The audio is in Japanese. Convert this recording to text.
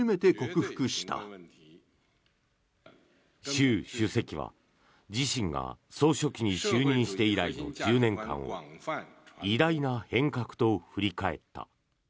習主席は自身が総書記に就任して以来の１０年間を偉大な変革と振り返った。